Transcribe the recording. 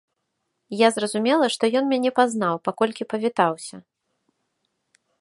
Я зразумела, што ён мяне пазнаў, паколькі павітаўся.